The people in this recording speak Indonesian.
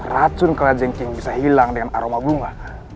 racun kala jengkih bisa hilang dengan aroma bunga